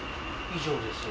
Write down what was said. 以上です。